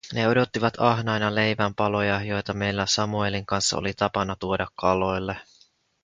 Ne odottivat ahnaina leivän paloja, joita meillä Samuelin kanssa oli tapana tuoda kaloille.